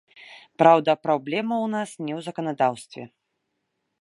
Праўда, праблема ў нас не ў заканадаўстве.